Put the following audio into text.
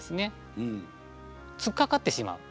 つっかかってしまう。